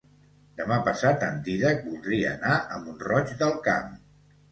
Demà passat en Dídac voldria anar a Mont-roig del Camp.